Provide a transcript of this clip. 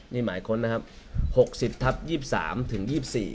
นี่หมายค้นนะครับ๖๐ทับ๒๓ถึง๒๔